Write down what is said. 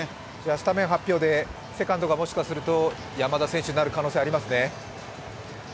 スタメン発表でセカンドがもしかすると、山田選手になる可能性、ありますね？